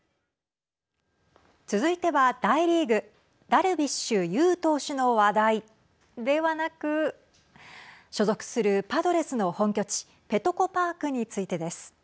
続いては大リーグダルビッシュ有投手の話題ではなく所属するパドレスの本拠地ペトコパークについてです。